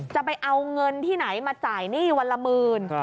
จะเอาเงินที่ไหนมาจ่ายหนี้วันละหมื่น